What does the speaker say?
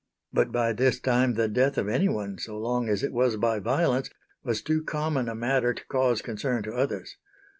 But by this time the death of any one, so long as it was by violence, was too common a matter to cause concern to others.